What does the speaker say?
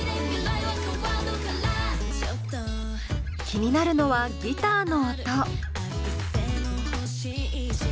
気になるのはギターの音。